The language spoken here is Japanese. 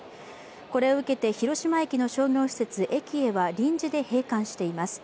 これを受けて広島駅の商業施設ｅｋｉｅは臨時で閉館しています。